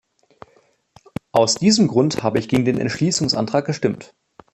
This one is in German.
Aus diesem Grund habe ich gegen den Entschließungsantrag gestimmt.